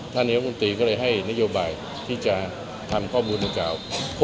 ท่านเฮียบุญตรีก็เลยให้นโยบายที่จะทำข้อมูลเมื่อกล่าว